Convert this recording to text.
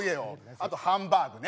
あとハンバーグね。